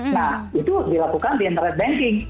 nah itu dilakukan di internet banking